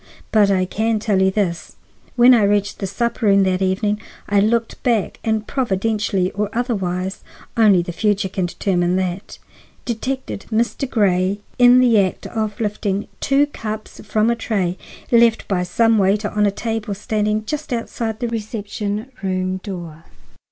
But I can tell you this: When I reached the supper room door that evening I looked back and, providentially or otherwise—only the future can determine that—detected Mr. Grey in the act of lifting two cups from a tray left by some waiter on a table standing just outside the reception room door.